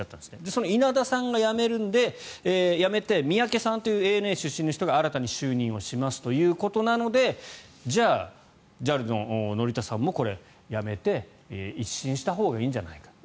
その稲田さんが辞めるので辞めて、三宅さんというＡＮＡ出身の方が新たに就任しますということなのでじゃあＪＡＬの乗田さんも辞めて一新したほうがいいんじゃないかと。